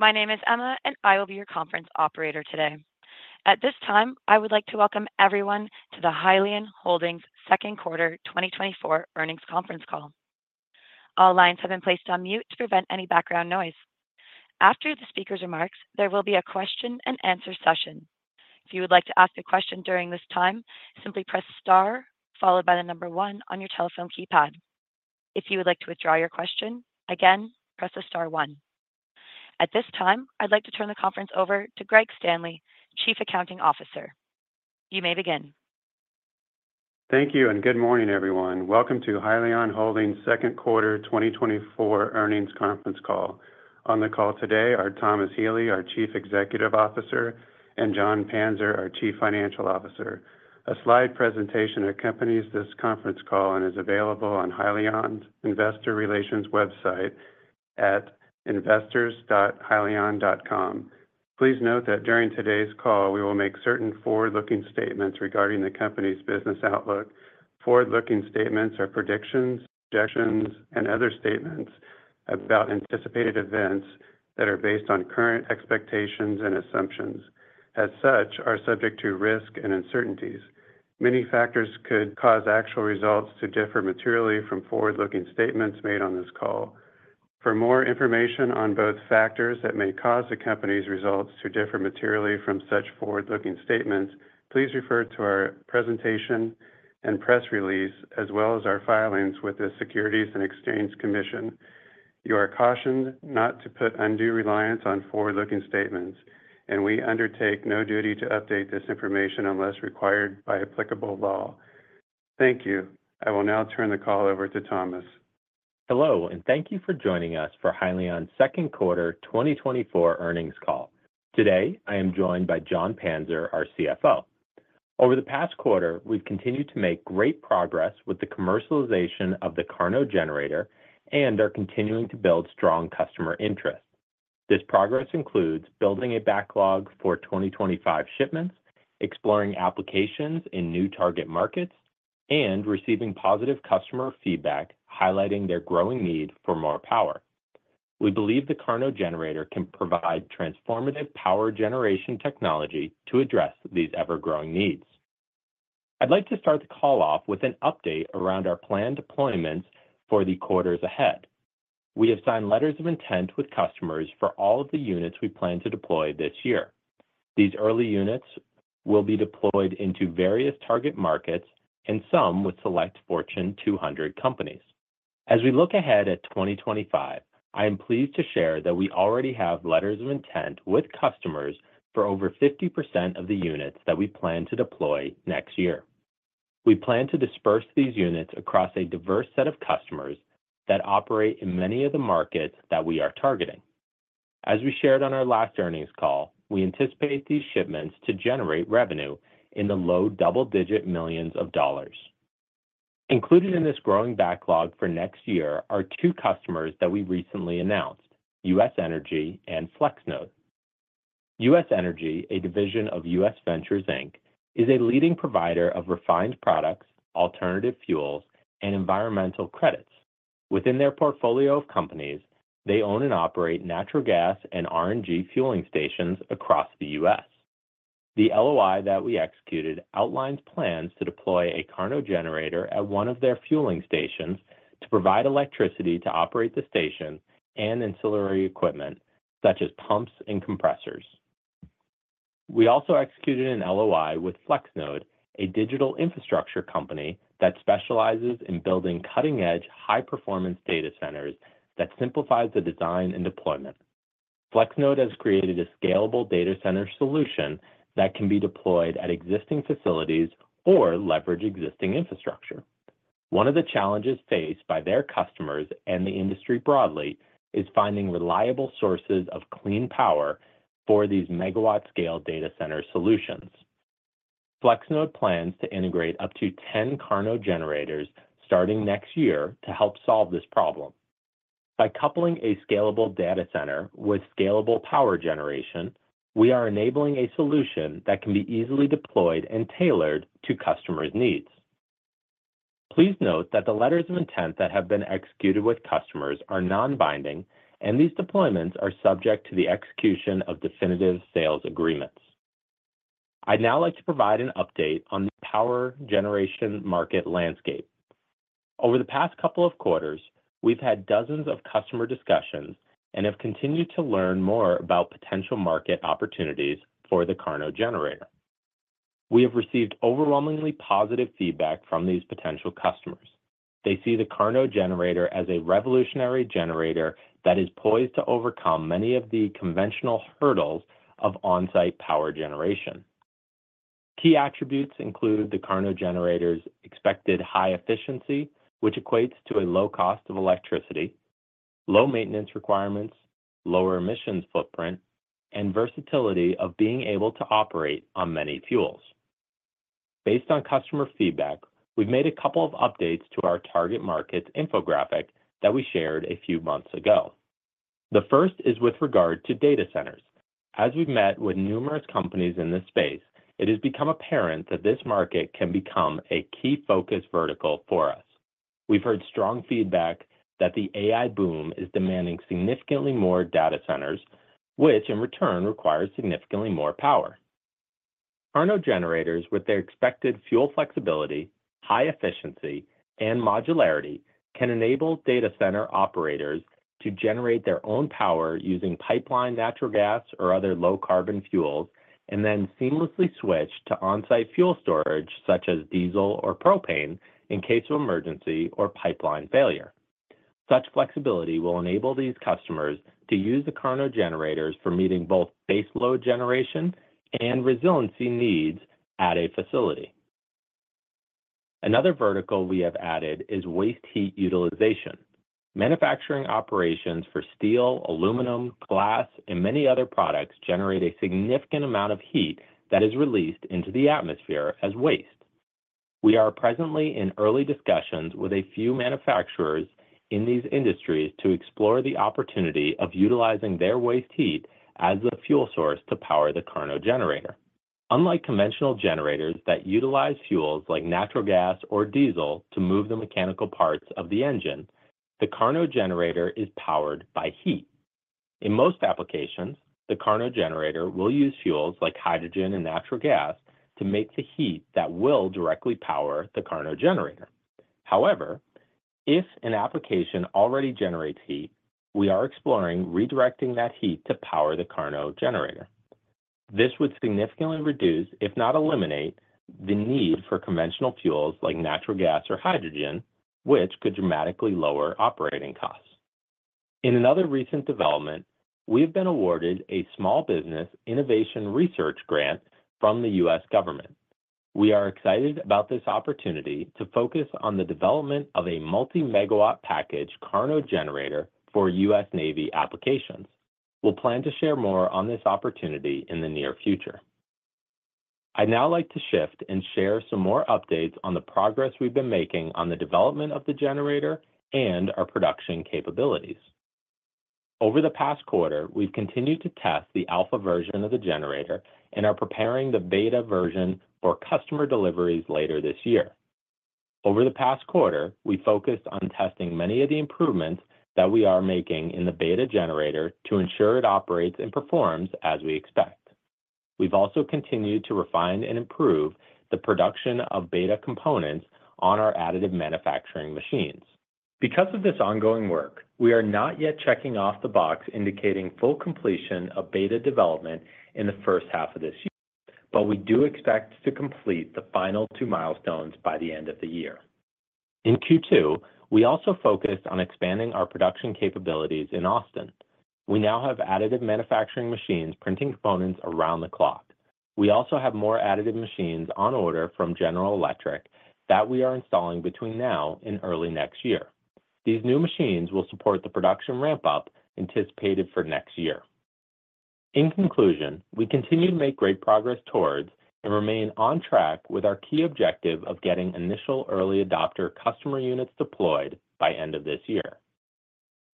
My name is Emma, and I will be your conference operator today. At this time, I would like to welcome everyone to the Hyliion Holdings second quarter 2024 earnings conference call. All lines have been placed on mute to prevent any background noise. After the speaker's remarks, there will be a question-and-answer session. If you would like to ask a question during this time, simply press star followed by the number one on your telephone keypad. If you would like to withdraw your question, again, press the star one. At this time, I'd like to turn the conference over to Greg Standley, Chief Accounting Officer. You may begin. Thank you, and good morning, everyone. Welcome to Hyliion Holdings second quarter 2024 earnings conference call. On the call today are Thomas Healy, our Chief Executive Officer, and Jon Panzer, our Chief Financial Officer. A slide presentation accompanies this conference call and is available on Hyliion's investor relations website at investors.hyliion.com. Please note that during today's call, we will make certain forward-looking statements regarding the company's business outlook. Forward-looking statements are predictions, projections, and other statements about anticipated events that are based on current expectations and assumptions. As such, are subject to risk and uncertainties. Many factors could cause actual results to differ materially from forward-looking statements made on this call. For more information on both factors that may cause the company's results to differ materially from such forward-looking statements, please refer to our presentation and press release, as well as our filings with the Securities and Exchange Commission. You are cautioned not to put undue reliance on forward-looking statements, and we undertake no duty to update this information unless required by applicable law. Thank you. I will now turn the call over to Thomas. Hello, and thank you for joining us for Hyliion's second quarter 2024 earnings call. Today, I am joined by Jon Panzer, our CFO. Over the past quarter, we've continued to make great progress with the commercialization of the KARNO generator and are continuing to build strong customer interest. This progress includes building a backlog for 2025 shipments, exploring applications in new target markets, and receiving positive customer feedback, highlighting their growing need for more power. We believe the KARNO generator can provide transformative power generation technology to address these ever-growing needs. I'd like to start the call off with an update around our planned deployments for the quarters ahead. We have signed letters of intent with customers for all of the units we plan to deploy this year. These early units will be deployed into various target markets and some with select Fortune 200 companies. As we look ahead at 2025, I am pleased to share that we already have letters of intent with customers for over 50% of the units that we plan to deploy next year. We plan to disperse these units across a diverse set of customers that operate in many of the markets that we are targeting. As we shared on our last earnings call, we anticipate these shipments to generate revenue in the low double-digit millions of dollars. Included in this growing backlog for next year are two customers that we recently announced: U.S. Energy and Flexnode. U.S. Energy, a division of U.S. Venture, Inc., is a leading provider of refined products, alternative fuels, and environmental credits. Within their portfolio of companies, they own and operate natural gas and RNG fueling stations across the U.S. The LOI that we executed outlines plans to deploy a KARNO generator at one of their fueling stations to provide electricity to operate the station and ancillary equipment, such as pumps and compressors. We also executed an LOI with Flexnode, a digital infrastructure company that specializes in building cutting-edge, high-performance data centers that simplifies the design and deployment. Flexnode has created a scalable data center solution that can be deployed at existing facilities or leverage existing infrastructure. One of the challenges faced by their customers and the industry broadly is finding reliable sources of clean power for these megawatt-scale data center solutions. Flexnode plans to integrate up to 10 KARNO generators starting next year to help solve this problem. By coupling a scalable data center with scalable power generation, we are enabling a solution that can be easily deployed and tailored to customers' needs. Please note that the letters of intent that have been executed with customers are non-binding, and these deployments are subject to the execution of definitive sales agreements. I'd now like to provide an update on the power generation market landscape. Over the past couple of quarters, we've had dozens of customer discussions and have continued to learn more about potential market opportunities for the KARNO generator. We have received overwhelmingly positive feedback from these potential customers. They see the KARNO generator as a revolutionary generator that is poised to overcome many of the conventional hurdles of on-site power generation. Key attributes include the KARNO generator's expected high efficiency, which equates to a low cost of electricity, low maintenance requirements, lower emissions footprint, and versatility of being able to operate on many fuels. Based on customer feedback, we've made a couple of updates to our target markets infographic that we shared a few months ago. The first is with regard to data centers. As we've met with numerous companies in this space, it has become apparent that this market can become a key focus vertical for us. We've heard strong feedback that the AI boom is demanding significantly more data centers, which in return requires significantly more power. KARNO generators, with their expected fuel flexibility, high efficiency, and modularity, can enable data center operators to generate their own power using pipeline natural gas or other low-carbon fuels, and then seamlessly switch to on-site fuel storage, such as diesel or propane, in case of emergency or pipeline failure. Such flexibility will enable these customers to use the KARNO generators for meeting both baseload generation and resiliency needs at a facility. Another vertical we have added is waste heat utilization. Manufacturing operations for steel, aluminum, glass, and many other products generate a significant amount of heat that is released into the atmosphere as waste. We are presently in early discussions with a few manufacturers in these industries to explore the opportunity of utilizing their waste heat as a fuel source to power the KARNO generator. Unlike conventional generators that utilize fuels like natural gas or diesel to move the mechanical parts of the engine, the KARNO generator is powered by heat. In most applications, the KARNO generator will use fuels like hydrogen and natural gas to make the heat that will directly power the KARNO generator. However, if an application already generates heat, we are exploring redirecting that heat to power the KARNO generator. This would significantly reduce, if not eliminate, the need for conventional fuels like natural gas or hydrogen, which could dramatically lower operating costs. In another recent development, we've been awarded a Small Business Innovation Research grant from the U.S. government. We are excited about this opportunity to focus on the development of a multi-megawatt package KARNO generator for U.S. Navy applications. We'll plan to share more on this opportunity in the near future. I'd now like to shift and share some more updates on the progress we've been making on the development of the generator and our production capabilities. Over the past quarter, we've continued to test the Alpha version of the generator and are preparing the Beta version for customer deliveries later this year. Over the past quarter, we focused on testing many of the improvements that we are making in the Beta generator to ensure it operates and performs as we expect. We've also continued to refine and improve the production of Beta components on our additive manufacturing machines. Because of this ongoing work, we are not yet checking off the box indicating full completion of Beta development in the first half of this year, but we do expect to complete the final two milestones by the end of the year. In Q2, we also focused on expanding our production capabilities in Austin. We now have additive manufacturing machines printing components around the clock. We also have more additive machines on order from General Electric that we are installing between now and early next year. These new machines will support the production ramp-up anticipated for next year. In conclusion, we continue to make great progress towards, and remain on track with our key objective of getting initial early adopter customer units deployed by end of this year.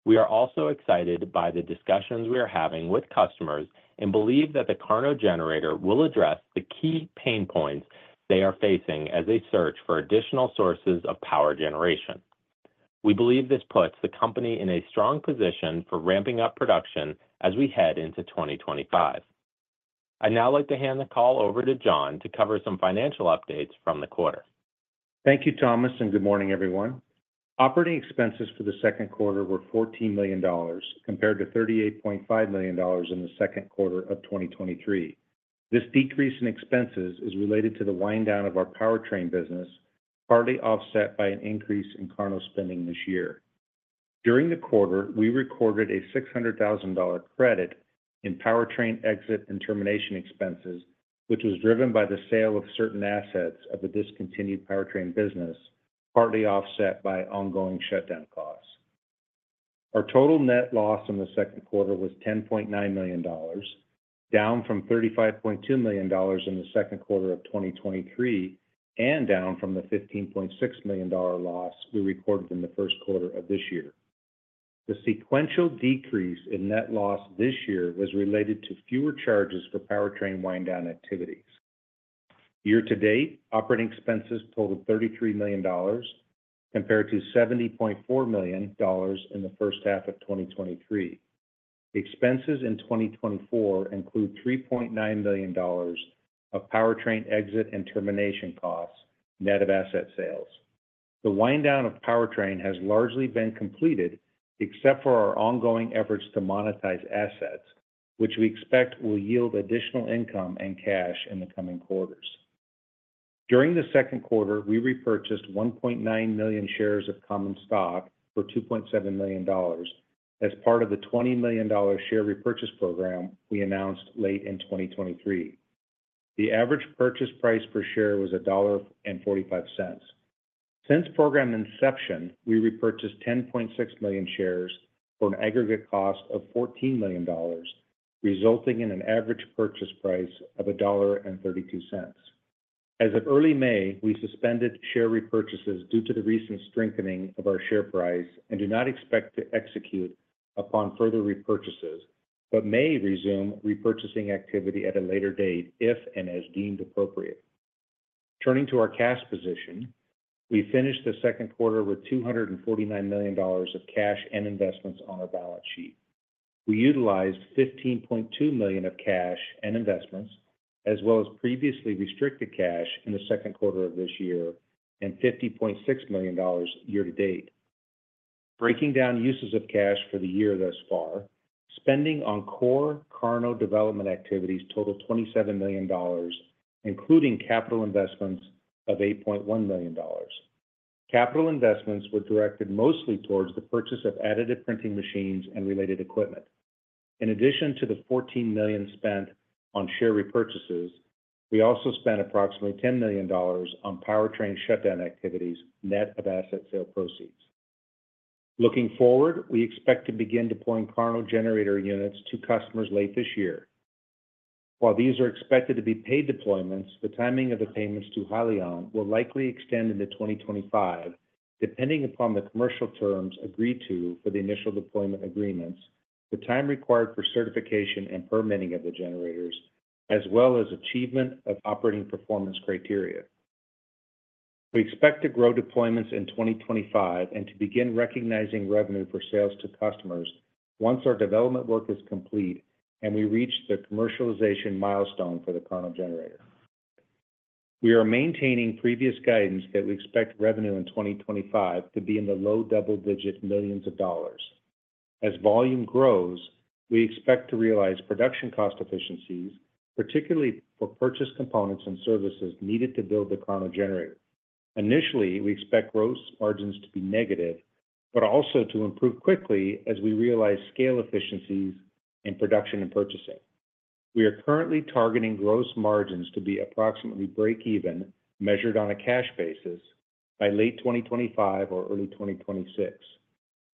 We are also excited by the discussions we are having with customers and believe that the KARNO generator will address the key pain points they are facing as they search for additional sources of power generation. We believe this puts the company in a strong position for ramping up production as we head into 2025. I'd now like to hand the call over to Jon to cover some financial updates from the quarter. Thank you, Thomas, and good morning, everyone. Operating expenses for the second quarter were $14 million, compared to $38.5 million in the second quarter of 2023. This decrease in expenses is related to the wind down of our powertrain business, partly offset by an increase in KARNO spending this year. During the quarter, we recorded a $600,000 credit in powertrain exit and termination expenses, which was driven by the sale of certain assets of the discontinued powertrain business, partly offset by ongoing shutdown costs. Our total net loss in the second quarter was $10.9 million, down from $35.2 million in the second quarter of 2023, and down from the $15.6 million loss we recorded in the first quarter of this year. The sequential decrease in net loss this year was related to fewer charges for Powertrain wind down activities. Year-to-date, operating expenses totaled $33 million, compared to $70.4 million in the first half of 2023. Expenses in 2024 include $3.9 million of Powertrain exit and termination costs, net of asset sales. The wind down of Powertrain has largely been completed, except for our ongoing efforts to monetize assets, which we expect will yield additional income and cash in the coming quarters. During the second quarter, we repurchased 1.9 million shares of common stock for $2.7 million as part of the $20 million share repurchase program we announced late in 2023. The average purchase price per share was $1.45. Since program inception, we repurchased 10.6 million shares for an aggregate cost of $14 million, resulting in an average purchase price of $1.32. As of early May, we suspended share repurchases due to the recent strengthening of our share price and do not expect to execute upon further repurchases, but may resume repurchasing activity at a later date, if and as deemed appropriate. Turning to our cash position, we finished the second quarter with $249 million of cash and investments on our balance sheet. We utilized $15.2 million of cash and investments, as well as previously restricted cash in the second quarter of this year, and $50.6 million year-to-date. Breaking down uses of cash for the year thus far, spending on core KARNO development activities totaled $27 million, including capital investments of $8.1 million. Capital investments were directed mostly towards the purchase of additive printing machines and related equipment. In addition to the $14 million spent on share repurchases, we also spent approximately $10 million on powertrain shutdown activities, net of asset sale proceeds. Looking forward, we expect to begin deploying KARNO generator units to customers late this year. While these are expected to be paid deployments, the timing of the payments to Hyliion will likely extend into 2025, depending upon the commercial terms agreed to for the initial deployment agreements, the time required for certification and permitting of the generators, as well as achievement of operating performance criteria. We expect to grow deployments in 2025 and to begin recognizing revenue for sales to customers once our development work is complete and we reach the commercialization milestone for the KARNO generator. We are maintaining previous guidance that we expect revenue in 2025 to be in the low double-digit millions of dollars. As volume grows, we expect to realize production cost efficiencies, particularly for purchased components and services needed to build the KARNO generator. Initially, we expect gross margins to be negative, but also to improve quickly as we realize scale efficiencies in production and purchasing. We are currently targeting gross margins to be approximately break even, measured on a cash basis, by late 2025 or early 2026.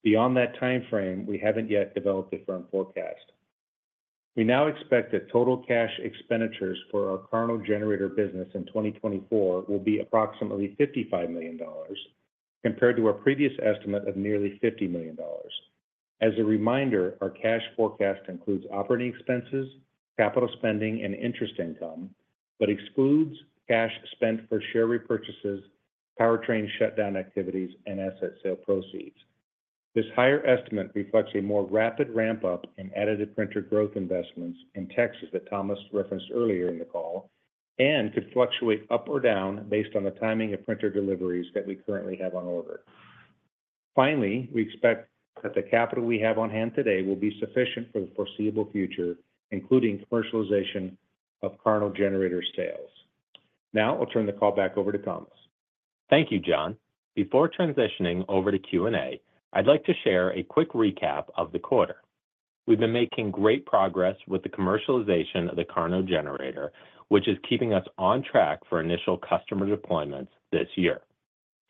Beyond that time frame, we haven't yet developed a firm forecast. We now expect that total cash expenditures for our KARNO generator business in 2024 will be approximately $55 million, compared to our previous estimate of nearly $50 million. As a reminder, our cash forecast includes operating expenses, capital spending, and interest income, but excludes cash spent for share repurchases, powertrain shutdown activities, and asset sale proceeds. This higher estimate reflects a more rapid ramp-up in additive printer growth investments in Texas that Thomas referenced earlier in the call, and could fluctuate up or down based on the timing of printer deliveries that we currently have on order. Finally, we expect that the capital we have on hand today will be sufficient for the foreseeable future, including commercialization of KARNO generator sales. Now, I'll turn the call back over to Thomas. Thank you, Jon. Before transitioning over to Q&A, I'd like to share a quick recap of the quarter. We've been making great progress with the commercialization of the KARNO generator, which is keeping us on track for initial customer deployments this year.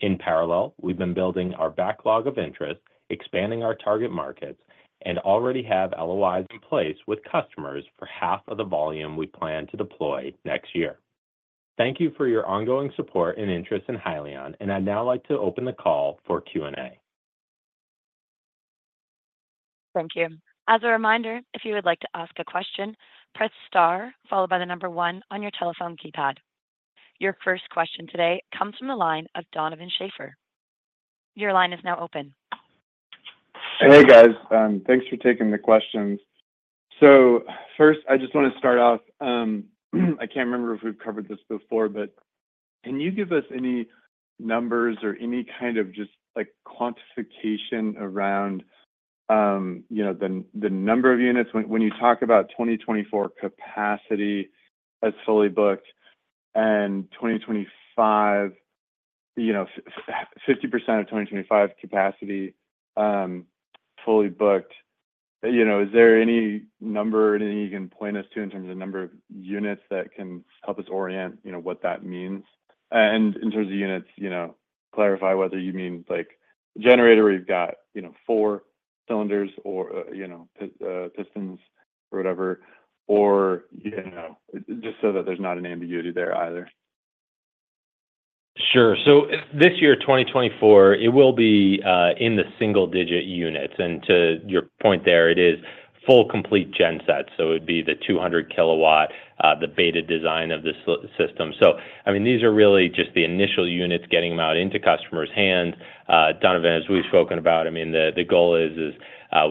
In parallel, we've been building our backlog of interest, expanding our target markets, and already have LOIs in place with customers for half of the volume we plan to deploy next year. Thank you for your ongoing support and interest in Hyliion, and I'd now like to open the call for Q&A. Thank you. As a reminder, if you would like to ask a question, press star followed by the number one on your telephone keypad. Your first question today comes from the line of Donovan Schafer. Your line is now open. Hey, guys. Thanks for taking the questions. So first, I just want to start off, I can't remember if we've covered this before, but can you give us any numbers or any kind of just, like, quantification around, you know, the number of units? When you talk about 2024 capacity as fully booked and 2025, you know, 50% of 2025 capacity fully booked, you know, is there any number or anything you can point us to in terms of number of units that can help us orient, you know, what that means? And in terms of units, you know, clarify whether you mean, like, generator, where you've got, you know, four cylinders or, you know, pistons or whatever, or, you know, just so that there's not an ambiguity there either. Sure. So this year, 2024, it will be in the single-digit units. And to your point there, it is full, complete genset, so it would be the 200 kW, the Beta design of the KARNO system. So, I mean, these are really just the initial units, getting them out into customers' hands. Donovan, as we've spoken about, I mean, the goal is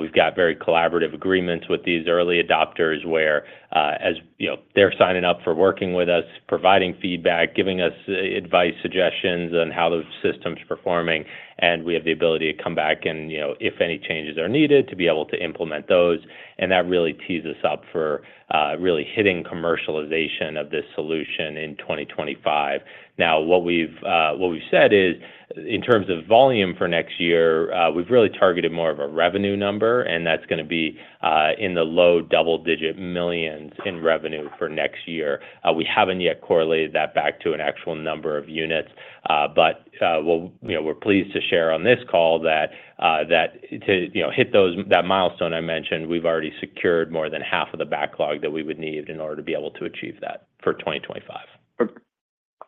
we've got very collaborative agreements with these early adopters, where, as you know, they're signing up for working with us, providing feedback, giving us advice, suggestions on how the system's performing, and we have the ability to come back and, you know, if any changes are needed, to be able to implement those, and that really tees us up for really hitting commercialization of this solution in 2025. Now, what we've, what we've said is, in terms of volume for next year, we've really targeted more of a revenue number, and that's gonna be, in the double digit million in revenue for next year. We haven't yet correlated that back to an actual number of units, but, well, you know, we're pleased to share on this call that, that to, you know, hit those, that milestone I mentioned, we've already secured more than half of the backlog that we would need in order to be able to achieve that for 2025.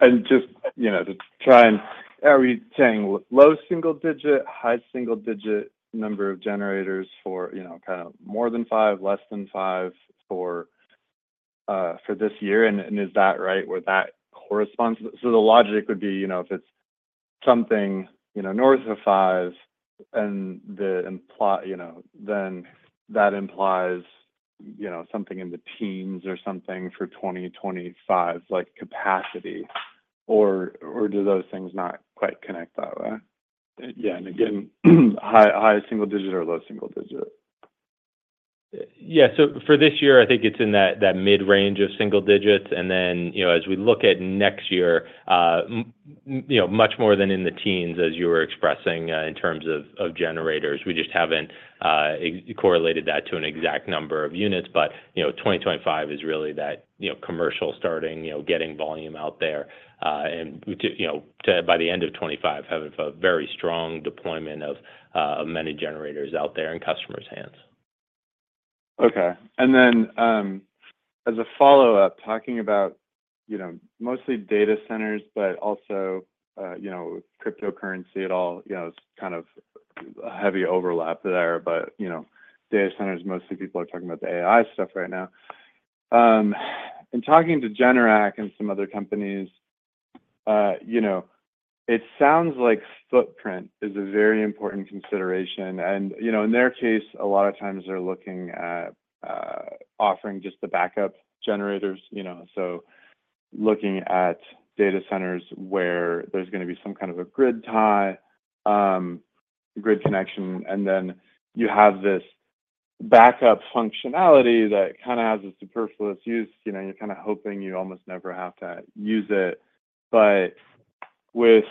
And just, you know, to try and, are we saying low single digit, high single digit number of generators for, you know, kind of more than five, less than five for this year? And is that right, would that correspond? So the logic would be, you know, if it's something, you know, north of five and then that implies, you know, something in the teens or something for 2025, like, capacity, or, or do those things not quite connect that way? Yeah, and again, high single digit or low single digit? Yeah. So for this year, I think it's in that mid-range of single digits. And then, you know, as we look at next year, you know, much more than in the teens, as you were expressing, in terms of generators. We just haven't correlated that to an exact number of units. But, you know, 2025 is really that commercial starting, you know, getting volume out there, and, you know, to, by the end of 2025, having a very strong deployment of many generators out there in customers' hands. Okay. And then, as a follow-up, talking about, you know, mostly data centers, but also, you know, cryptocurrency at all, you know, it's kind of a heavy overlap there. But, you know, data centers, mostly people are talking about the AI stuff right now. In talking to Generac and some other companies, you know, it sounds like footprint is a very important consideration. And, you know, in their case, a lot of times they're looking at, offering just the backup generators, you know, so looking at data centers where there's gonna be some kind of a grid tie, grid connection, and then you have this backup functionality that kind of has a superfluous use. You know, you're kind of hoping you almost never have to use it. But with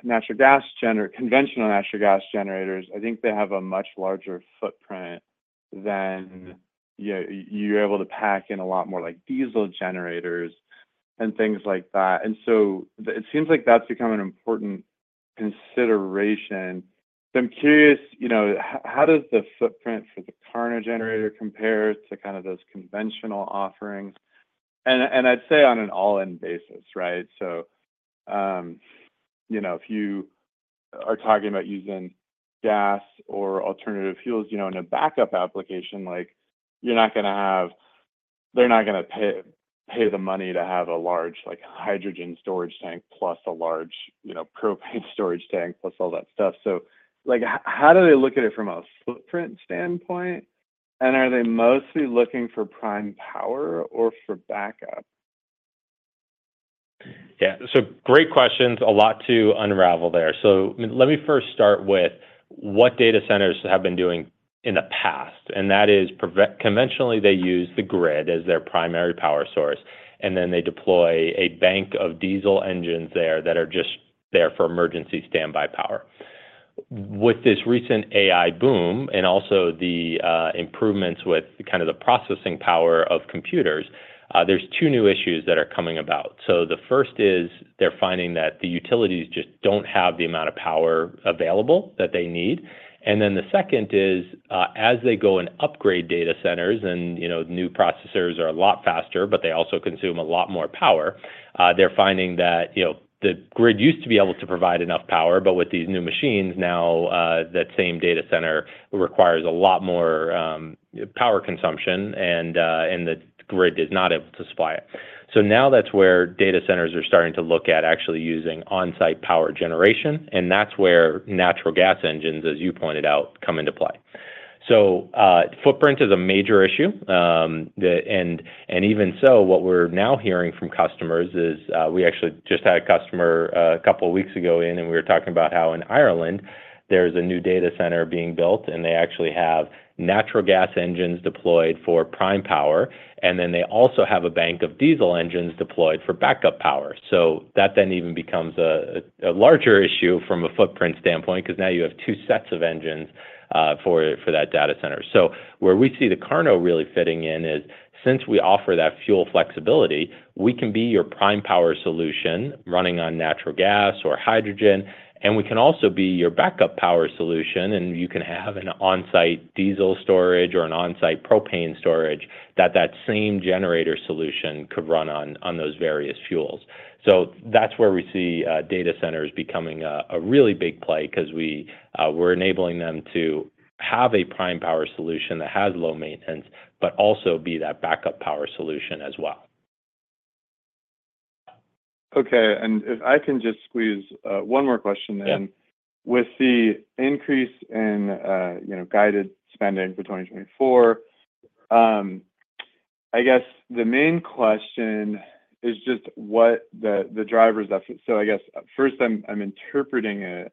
conventional natural gas generators, I think they have a much larger footprint than. Yeah, you're able to pack in a lot more, like, diesel generators and things like that. And so it seems like that's become an important consideration. So I'm curious, you know, how does the footprint for the KARNO generator compare to kind of those conventional offerings? And, and I'd say on an all-in basis, right? So, you know, if you are talking about using gas or alternative fuels, you know, in a backup application, like, they're not gonna pay, pay the money to have a large, like, hydrogen storage tank, plus a large, you know, propane storage tank, plus all that stuff. So, like, how do they look at it from a footprint standpoint? Are they mostly looking for prime power or for backup? Yeah. So great questions. A lot to unravel there. So let me first start with what data centers have been doing in the past, and that is conventionally, they use the grid as their primary power source, and then they deploy a bank of diesel engines there that are just there for emergency standby power. With this recent AI boom, and also the improvements with kind of the processing power of computers, there's two new issues that are coming about. So the first is they're finding that the utilities just don't have the amount of power available that they need. And then the second is, as they go and upgrade data centers and, you know, new processors are a lot faster, but they also consume a lot more power, they're finding that, you know, the grid used to be able to provide enough power, but with these new machines now, that same data center requires a lot more, power consumption, and the grid is not able to supply it. So now that's where data centers are starting to look at actually using on-site power generation, and that's where natural gas engines, as you pointed out, come into play. So, footprint is a major issue. Even so, what we're now hearing from customers is, we actually just had a customer a couple of weeks ago, and we were talking about how in Ireland, there's a new data center being built, and they actually have natural gas engines deployed for prime power, and then they also have a bank of diesel engines deployed for backup power. So that then even becomes a larger issue from a footprint standpoint, because now you have two sets of engines for that data center. So where we see the KARNO really fitting in is, since we offer that fuel flexibility, we can be your prime power solution running on natural gas or hydrogen, and we can also be your backup power solution, and you can have an on-site diesel storage or an on-site propane storage that that same generator solution could run on, on those various fuels. So that's where we see, data centers becoming a really big play because we, we're enabling them to have a prime power solution that has low maintenance, but also be that backup power solution as well. Okay, and if I can just squeeze one more question in. With the increase in, you know, guided spending for 2024, I guess the main question is just what the drivers are. So I guess first, I'm interpreting it,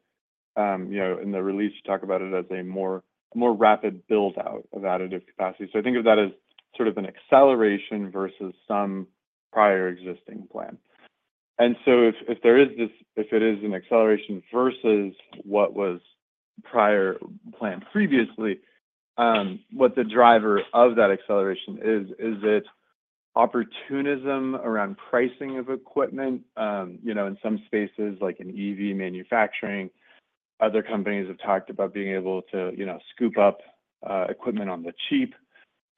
you know, in the release, you talk about it as a more rapid build-out of additive capacity. So I think of that as sort of an acceleration versus some prior existing plan. And so if it is an acceleration versus what was prior planned previously, what the driver of that acceleration is, is it opportunism around pricing of equipment? You know, in some spaces, like in EV manufacturing, other companies have talked about being able to, you know, scoop up equipment on the cheap.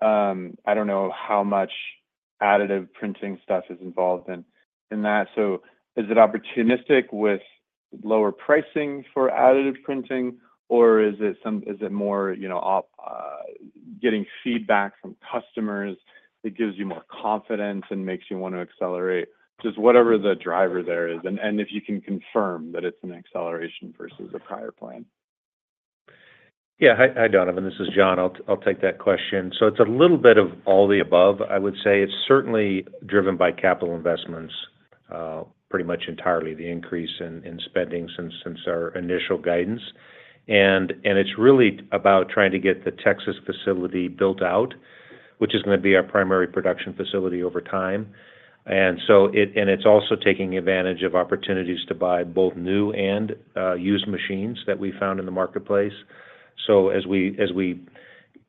I don't know how much additive printing stuff is involved in that. So is it opportunistic with lower pricing for additive printing, or is it more, you know, getting feedback from customers that gives you more confidence and makes you want to accelerate? Just whatever the driver there is, and if you can confirm that it's an acceleration versus a prior plan. Yeah. Hi, Donovan. This is Jon. I'll take that question. So it's a little bit of all the above. I would say it's certainly driven by capital investments, pretty much entirely the increase in spending since our initial guidance. And it's really about trying to get the Texas facility built out, which is gonna be our primary production facility over time. And it's also taking advantage of opportunities to buy both new and used machines that we found in the marketplace. So as we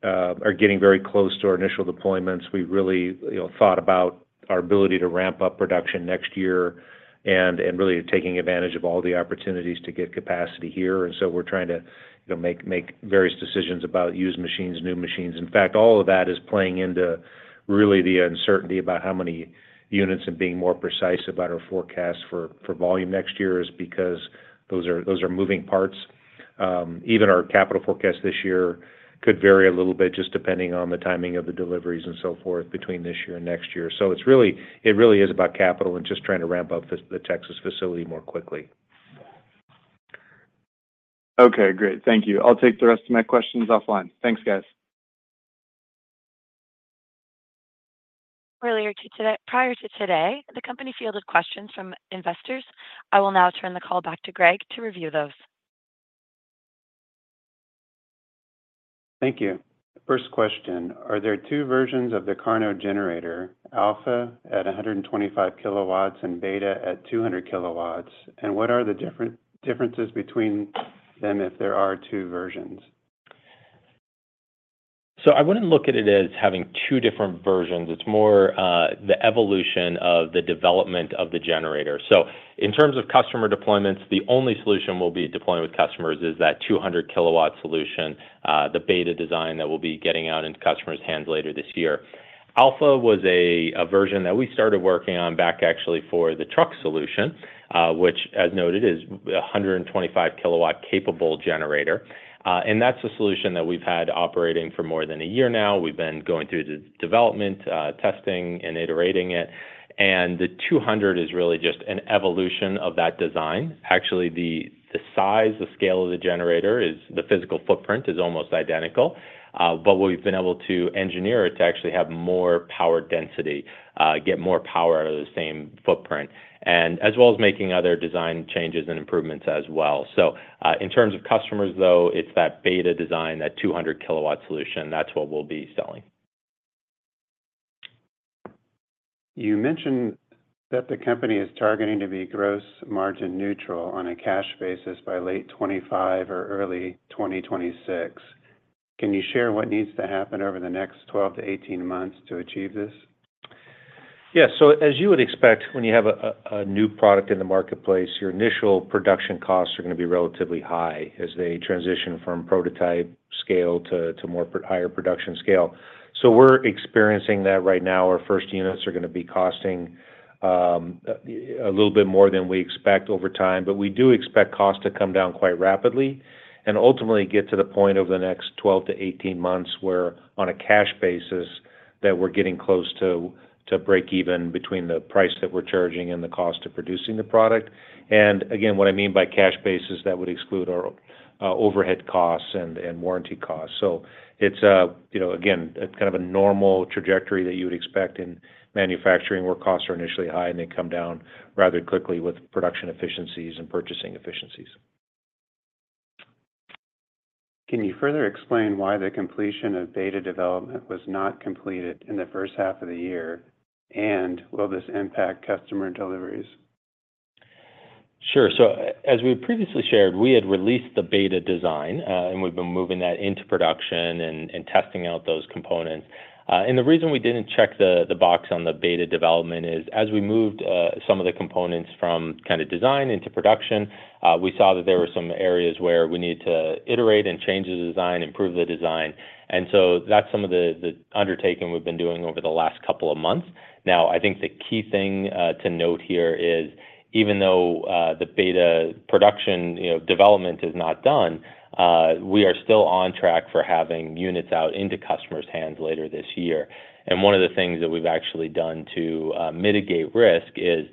are getting very close to our initial deployments, we've really, you know, thought about our ability to ramp up production next year and really taking advantage of all the opportunities to get capacity here. And so we're trying to, you know, make various decisions about used machines, new machines. In fact, all of that is playing into really the uncertainty about how many units, and being more precise about our forecast for volume next year is because those are moving parts. Even our capital forecast this year could vary a little bit, just depending on the timing of the deliveries and so forth between this year and next year. So it's really, it really is about capital and just trying to ramp up the Texas facility more quickly. Okay, great. Thank you. I'll take the rest of my questions offline. Thanks, guys. Earlier today, prior to today, the company fielded questions from investors. I will now turn the call back to Greg to review those. Thank you. First question: Are there two versions of the KARNO generator, Alpha at 125 kW and Beta at 200 kW? And what are the differences between them if there are two versions? So I wouldn't look at it as having two different versions. It's more the evolution of the development of the generator. So in terms of customer deployments, the only solution we'll be deploying with customers is that 200 kW solution, the Beta design that we'll be getting out into customers' hands later this year. Alpha was a version that we started working on back actually for the truck solution, which, as noted, is a 125 kW capable generator. And that's a solution that we've had operating for more than a year now. We've been going through the development, testing, and iterating it, and the 200 kW is really just an evolution of that design. Actually, the size, the scale of the generator, the physical footprint is almost identical, but we've been able to engineer it to actually have more power density, get more power out of the same footprint, and as well as making other design changes and improvements as well. So, in terms of customers, though, it's that Beta design, that 200 kW solution, that's what we'll be selling. You mentioned that the company is targeting to be gross margin neutral on a cash basis by late 2025 or early 2026. Can you share what needs to happen over the next 12-18 months to achieve this? Yeah. So as you would expect, when you have a new product in the marketplace, your initial production costs are gonna be relatively high as they transition from prototype scale to higher production scale. So we're experiencing that right now. Our first units are gonna be costing a little bit more than we expect over time, but we do expect costs to come down quite rapidly and ultimately get to the point over the next 12-18 months where, on a cash basis, that we're getting close to break even between the price that we're charging and the cost of producing the product. And again, what I mean by cash basis, that would exclude our overhead costs and warranty costs. It's, you know, again, it's kind of a normal trajectory that you would expect in manufacturing, where costs are initially high, and they come down rather quickly with production efficiencies and purchasing efficiencies. Can you further explain why the completion of Beta development was not completed in the first half of the year, and will this impact customer deliveries? Sure. So as we previously shared, we had released the Beta design, and we've been moving that into production and testing out those components. And the reason we didn't check the box on the Beta development is, as we moved some of the components from kind of design into production, we saw that there were some areas where we needed to iterate and change the design, improve the design. And so that's some of the undertaking we've been doing over the last couple of months. Now, I think the key thing to note here is, even though the Beta production, you know, development is not done, we are still on track for having units out into customers' hands later this year. And one of the things that we've actually done to mitigate risk is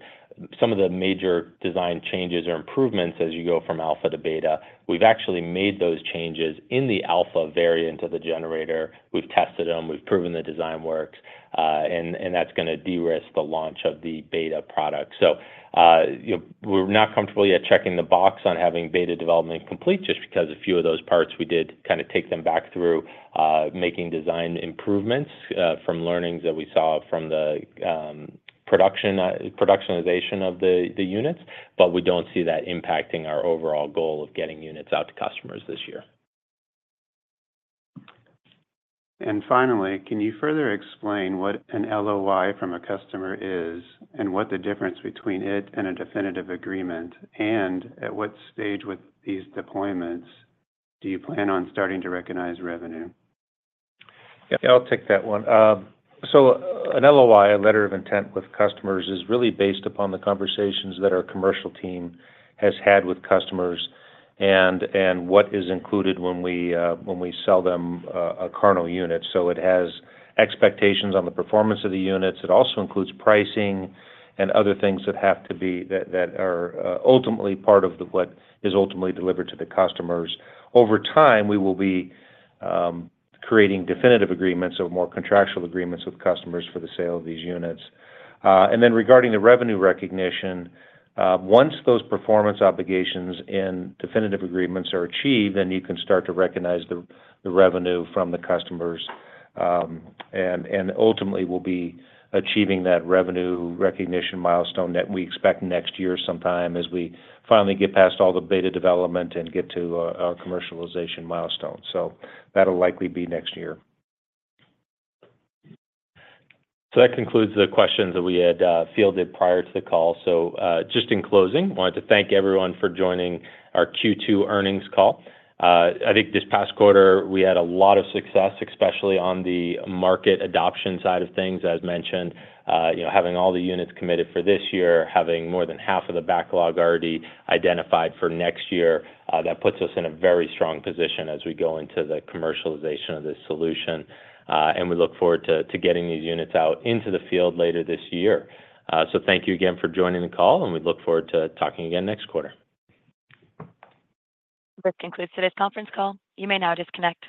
some of the major design changes or improvements as you go from Alpha to Beta, we've actually made those changes in the Alpha variant of the generator. We've tested them, we've proven the design works, and that's gonna de-risk the launch of the Beta product. So, you know, we're not comfortable yet checking the box on having Beta development complete, just because a few of those parts, we did kind of take them back through making design improvements from learnings that we saw from the productionization of the units, but we don't see that impacting our overall goal of getting units out to customers this year. Finally, can you further explain what an LOI from a customer is, and what the difference between it and a definitive agreement? At what stage with these deployments do you plan on starting to recognize revenue? Yeah, I'll take that one. So an LOI, a letter of intent with customers, is really based upon the conversations that our commercial team has had with customers and what is included when we sell them a KARNO unit. So it has expectations on the performance of the units. It also includes pricing and other things that have that are ultimately part of what is ultimately delivered to the customers. Over time, we will be creating definitive agreements or more contractual agreements with customers for the sale of these units. And then, regarding the revenue recognition, once those performance obligations and definitive agreements are achieved, then you can start to recognize the revenue from the customers. And ultimately, we'll be achieving that revenue recognition milestone that we expect next year sometime as we finally get past all the beta development and get to our commercialization milestone. So that'll likely be next year. That concludes the questions that we had fielded prior to the call. Just in closing, I wanted to thank everyone for joining our Q2 earnings call. I think this past quarter, we had a lot of success, especially on the market adoption side of things. As mentioned, you know, having all the units committed for this year, having more than half of the backlog already identified for next year, that puts us in a very strong position as we go into the commercialization of this solution. And we look forward to getting these units out into the field later this year. Thank you again for joining the call, and we look forward to talking again next quarter. This concludes today's conference call. You may now disconnect.